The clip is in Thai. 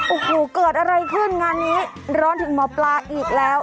โอ้โหเกิดอะไรขึ้นงานนี้ร้อนถึงหมอปลาอีกแล้ว